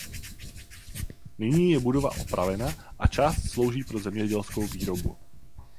Nyní je budova opravena a část slouží pro zemědělskou výrobu.